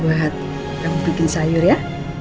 buat yang bikin sayur ya